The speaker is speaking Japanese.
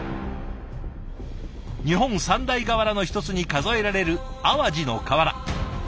日本三大瓦の一つに数えられる淡路の瓦。